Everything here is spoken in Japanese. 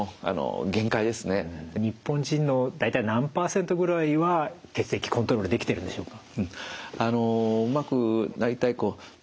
日本人の大体何％ぐらいは血液コントロールできてるんでしょうか。